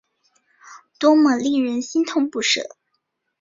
多么令人心痛不舍